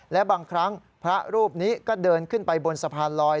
และบางครั้งพระรูปนี้ก็เดินขึ้นไปบนสะพานลอย